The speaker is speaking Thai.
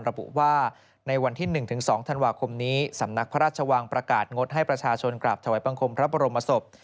ระบุว่าในวันที่๑๒ธันวาคมนี้สำนักพระราชวังประกาศงดให้ประชาชนกราบถวายบังคมพระบรมศพ